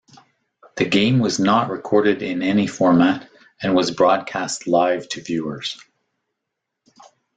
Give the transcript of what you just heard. The game was not recorded in any format and was broadcast live to viewers.